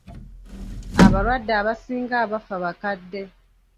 Abalwadde abasinga abafa bakadde.